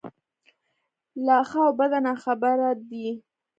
له ښه او بده ناخبره دی.